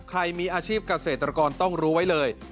ใครมีอาชีพเกษตรกรต้องรู้ไว้เลย